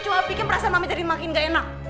cuma bikin perasaan mama jadi makin gak enak